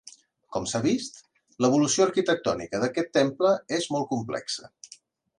Com s'ha vist, l'evolució arquitectònica d'aquest temple és molt complexa.